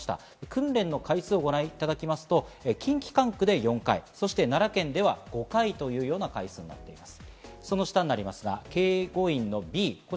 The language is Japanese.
訓練の回数をご覧いただきますと近畿管区で４回、奈良県では５回という回数になっています。